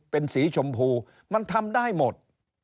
เป็นสีชมพูมันทำได้หมด